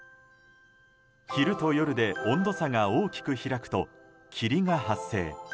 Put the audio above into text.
昼と夜で温度差が大きく開くと霧が発生。